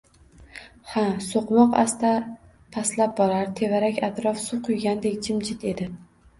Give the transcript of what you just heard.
— Ha… — Soʼqmoq asta pastlab borar, tevarak-atrof suv quygandek jimjit edi…